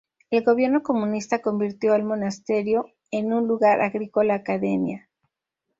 El gobierno Comunista convirtió al monasterio en un lugar agrícola academia.